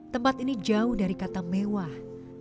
tempat ini jauh dari kata mewah